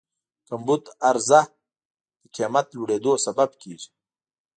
کمبود عرضه د قیمت لوړېدو سبب کېږي.